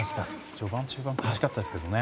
序盤、中盤苦しかったですけどね。